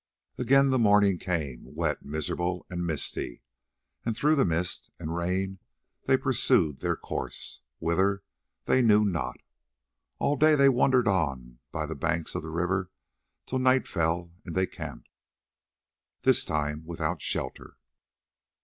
Again the morning came, wet, miserable, and misty, and through the mist and rain they pursued their course, whither they knew not. All day they wandered on by the banks of the river till night fell and they camped, this time without shelter.